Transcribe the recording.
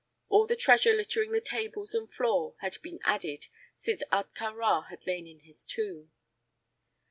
All the treasure littering the tables and floor had been added since Ahtka Rā had lain in his tomb.